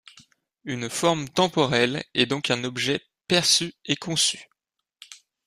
Une forme temporelle est donc un objet perçu et conçu.